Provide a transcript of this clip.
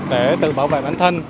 để tự bảo vệ bản thân